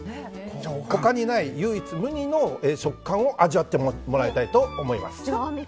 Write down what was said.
他にない唯一無二の食感を味わってもらいたいと思います。